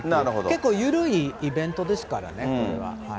結構緩いイベントですからね、これは。